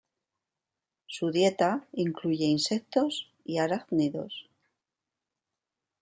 Su dieta incluye insectos y arácnidos.